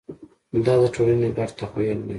دا د ټولنې ګډ تخیل دی.